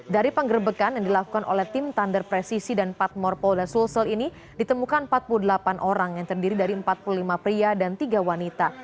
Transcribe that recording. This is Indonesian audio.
dari penggerbekan yang dilakukan oleh tim thunder presisi dan patmor polda sulsel ini ditemukan empat puluh delapan orang yang terdiri dari empat puluh lima pria dan tiga wanita